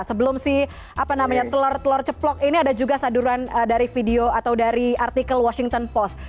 sebelum si apa namanya telur telur ceplok ini ada juga saduran dari video atau dari artikel washington post